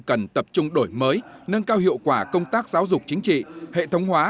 cần tập trung đổi mới nâng cao hiệu quả công tác giáo dục chính trị hệ thống hóa